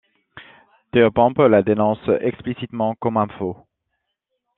Théopompe la dénonce explicitement comme un faux.